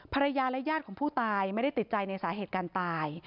ภรรยาและญาติของผู้ตายไม่ได้ติดใจในสาเหตุการตาย